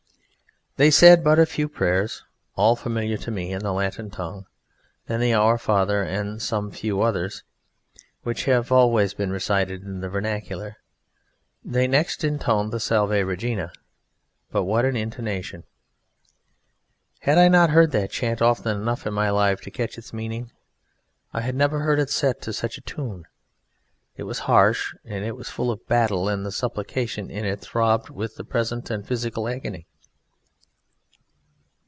They said but a few prayers, all familiar to me, in the Latin tongue; then the "Our Father" and some few others which have always been recited in the vernacular. They next intoned the Salve Regina. But what an intonation! Had I not heard that chant often enough in my life to catch its meaning? I had never heard it set to such a tune! It was harsh, it was full of battle, and the supplication in it throbbed with present and physical agony.